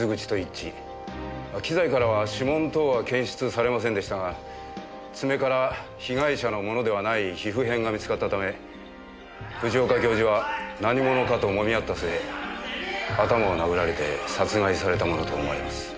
機材からは指紋等は検出されませんでしたが爪から被害者のものではない皮膚片が見つかったため藤岡教授は何者かともみ合った末頭を殴られて殺害されたものと思われます。